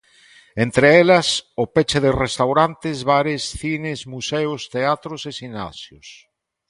Entre elas, o peche de restaurantes, bares, cines, museos, teatros e ximnasios.